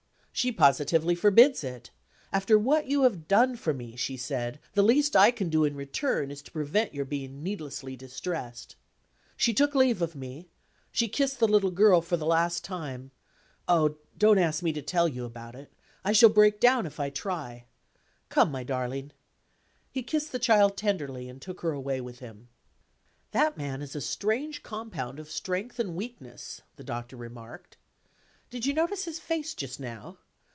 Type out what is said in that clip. "She positively forbids it. 'After what you have done for me,' she said, 'the least I can do in return is to prevent your being needlessly distressed.' She took leave of me; she kissed the little girl for the last time oh, don't ask me to tell you about it! I shall break down if I try. Come, my darling!" He kissed the child tenderly, and took her away with him. "That man is a strange compound of strength and weakness," the Doctor remarked. "Did you notice his face, just now?